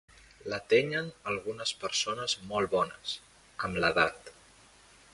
L'atenyen algunes persones molt bones, amb l'edat.